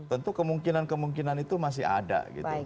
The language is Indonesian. tentu kemungkinan kemungkinan itu masih ada gitu